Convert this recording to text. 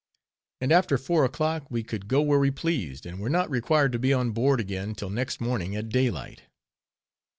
And after four o'clock, we could go where we pleased, and were not required to be on board again till next morning at daylight.